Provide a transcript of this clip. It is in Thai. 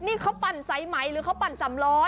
นี่เขาปั่นสายไหมหรือเขาปั่นสำล้อ